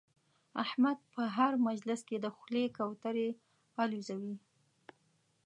احمد په هر مجلس کې د خولې کوترې اولوزوي.